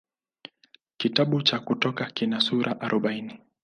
Kitabu cha Kutoka kina sura arobaini.